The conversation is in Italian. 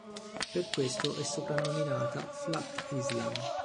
Per questo è soprannominata "Flat-Island".